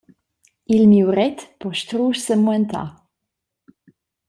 Il miuret po strusch semuentar.